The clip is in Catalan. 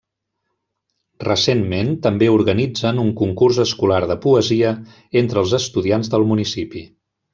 Recentment també organitzen un concurs escolar de poesia, entre els estudiants del municipi.